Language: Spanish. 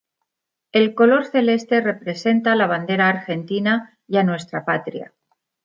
El color celeste representa la bandera argentina y a nuestra patria.